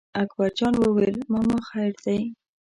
اکبر جان وویل: ماما خیر دی.